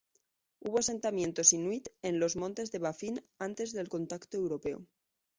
Hubo asentamientos Inuit en los montes de Baffin antes del contacto europeo.